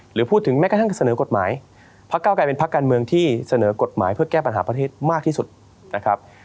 หรือพูดถึงแม้กระทั่งเสนอกฎหมายพักเก้าไกลเป็นพักการเมืองที่เสนอกฎหมายเพื่อแก้ปัญหาประเทศมากที่สุดนะครับ